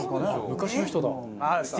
昔の人だ。